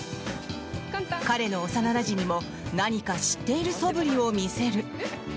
彼の幼なじみも何か知っているそぶりを見せる。